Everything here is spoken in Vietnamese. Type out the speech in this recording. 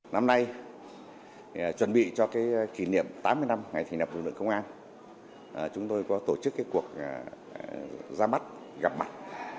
năm nay chuẩn bị cho kỷ niệm tám mươi năm ngày thành lập lực lượng công an chúng tôi có tổ chức cuộc ra mắt gặp mặt